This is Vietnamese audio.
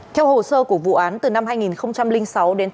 theo hồ sơ của vụ án